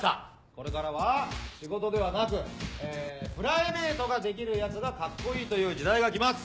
これからは仕事ではなくプライベートができるヤツがカッコいいという時代が来ます。